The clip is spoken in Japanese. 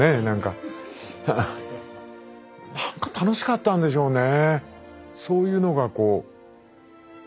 何か楽しかったんでしょうね。